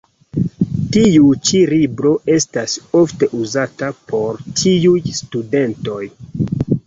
Tiu ĉi libro estas ofte uzata por tiuj studentoj.